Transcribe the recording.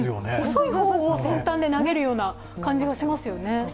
細い方を先端で投げるような感じがしますよね。